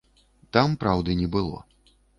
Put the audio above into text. Там праўды не было.